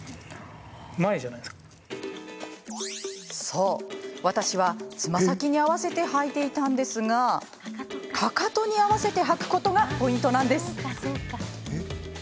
そう、私はつま先に合わせて履いていたんですがかかとに合わせて履くことがポイントなんです。